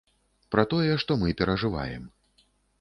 Пра тое, што мы перажываем.